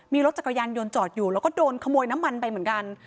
มีรถจักรยานยนต์จอดอยู่แล้วก็โดนขโมยน้ำมันไปเหมือนกัน